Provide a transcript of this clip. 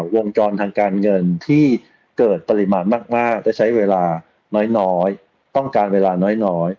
วงจรทางการเงินที่เกิดปริมาณมากและใช้เวลาน้อยต้องการเวลาน้อย